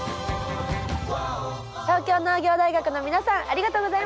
東京農業大学の皆さんありがとうございました！